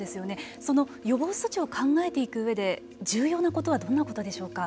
その予防措置を考えていく上で重要なことはどんなことでしょうか。